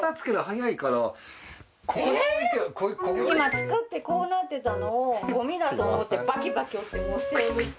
今作ってこうなってたのをゴミだと思ってバキバキ折ってもう捨てようとした。